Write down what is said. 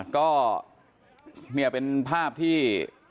ก็มีเป็นภาพที่